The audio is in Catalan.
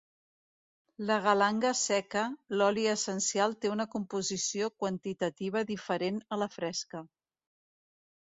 La Galanga seca, l'oli essencial té una composició quantitativa diferent a la fresca.